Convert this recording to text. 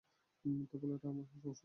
মিথ্যা বলাটা আমার অসহ্য লাগে!